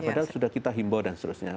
padahal sudah kita himbau dan seterusnya